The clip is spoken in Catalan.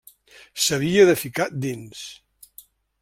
S'havia de ficar dins.